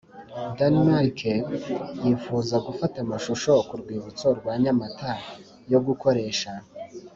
Denmark bifuza gufata amashusho ku rwibutso rwa Nyamata yo gukoresha